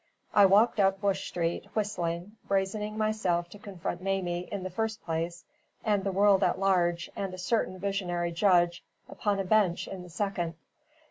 I walked up Bush Street, whistling, brazening myself to confront Mamie in the first place, and the world at large and a certain visionary judge upon a bench in the second.